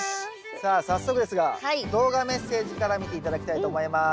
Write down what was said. さあ早速ですが動画メッセージから見て頂きたいと思います。